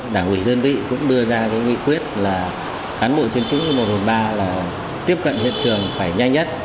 quản lý cũng đưa ra cái nghị quyết là cán bộ chiến sĩ một trăm một mươi ba là tiếp cận hiện trường phải nhanh nhất